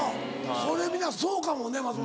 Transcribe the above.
これ皆そうかもね松本さん。